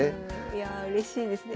いやあうれしいですね。